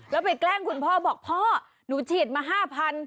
แล้วไปแกล้งคุณพ่อบอกพ่อหนูฉีดมา๕๐๐